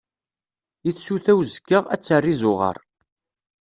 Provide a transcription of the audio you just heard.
i tsuta uzekka, ad terr izuɣaṛ.